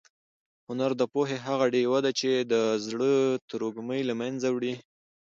هنر د پوهې هغه ډېوه ده چې د زړه تروږمۍ له منځه وړي.